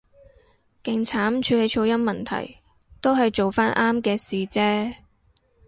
勁慘處理噪音問題，都係做返啱嘅事啫